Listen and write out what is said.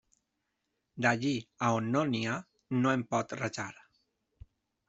D'allí a on no n'hi ha no en pot rajar.